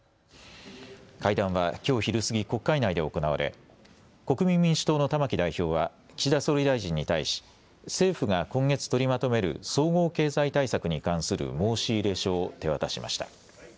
会談はきょう昼過ぎ国会内で行われ国民民主党の玉木代表は岸田総理大臣に対し政府が今月取りまとめる総合経済対策に関する申し入れ書を手渡しました。